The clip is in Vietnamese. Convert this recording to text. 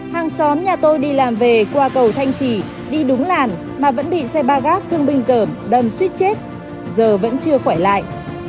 hàng xóm nhà tôi đi làm về qua cầu thanh trì đi đúng làn mà vẫn bị xe ba gác thương binh dởm đâm suýt chết giờ vẫn chưa khỏe lại